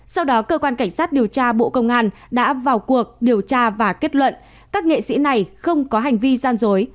sau đó cơ quan cảnh sát điều tra bộ công an đã vào cuộc điều tra và kết luận các nghệ sĩ này không có hành vi gian dối